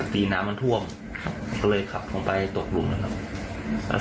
ตีน้ำมันท่วมครับก็เลยขับลงไปตกหลุมนะครับ